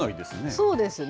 そうですね。